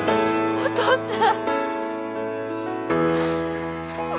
お父ちゃん！